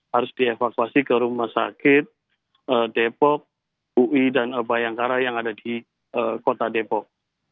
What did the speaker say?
harus dievakuasi ke rumah sakit depok ui dan bayangkara yang ada di kota depok